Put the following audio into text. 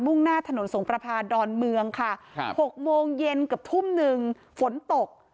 ่งหน้าถนนสงประพาดอนเมืองค่ะครับ๖โมงเย็นกับทุ่มหนึ่งฝนตก